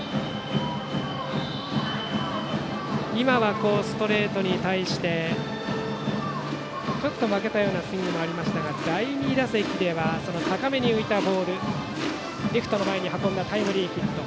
今はストレートに対してちょっと負けたようなスイングもありましたが第２打席では高めのボールレフトの前に運んだタイムリーヒット。